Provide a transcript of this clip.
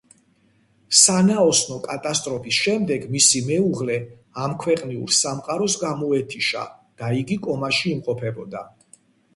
სანაოსნო კატასტროფის შემდეგ, მისი მეუღლე ამქვეყნიურ სამყაროს გამოეთიშა და იგი კომაში იმყოფება.